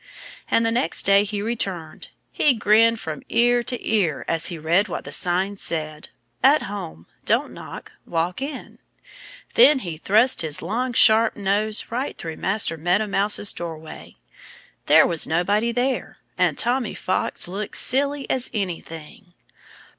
And the next day he returned. He grinned from ear to ear as he read what the sign said: "At Home. Don't Knock. Walk In." Then he thrust his long, sharp nose right through Master Meadow Mouse's doorway. There was nobody there. And Tommy Fox looked silly as anything.